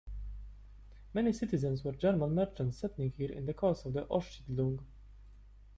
Many citizens were German merchants, settling here in the course of the "Ostsiedlung".